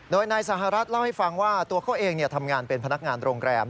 โดยนายสหรัฐเล่าให้ฟังว่าตัวเขาเองทำงานเป็นพนักงานโรงแรม